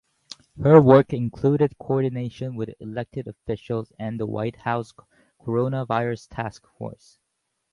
Her work included coordination with elected officials and the White House Coronavirus Task Force.